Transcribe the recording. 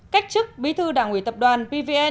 cách chức bí thư đảng ủy tập đoàn pvn